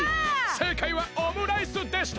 せいかいはオムライスでした！